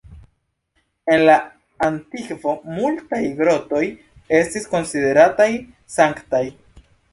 En la antikvo multaj grotoj estis konsiderataj sanktaj.